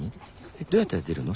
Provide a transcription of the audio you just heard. どうやったら出るの？